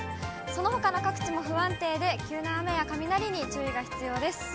そのほかの各地も不安定で、急な雨や雷に注意が必要です。